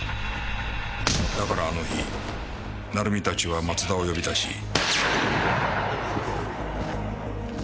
だからあの日鳴海たちは松田を呼び出し。